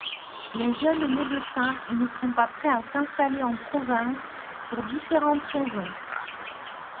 Les jeunes médecins ne sont pas prêts à s’installer en province pour différentes raisons.